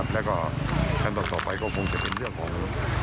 แล้วก็ครั้งต่อไปก็คงจะเป็นเรื่องของ